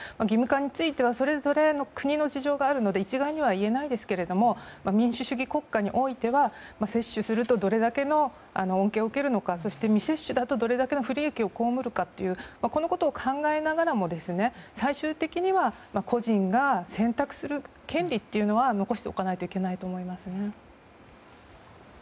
義務化についてはそれぞれの国の事情があるので一概には言えませんが民主主義国家においては接種するとどれだけの恩恵を受けるのかそして未接種だとどれだけの不利益を被るのかこのことを考えながらも最終的には個人が選択する権利というのは残しておかないといけないと思います。